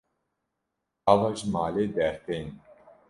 Gava ji malê dertêm.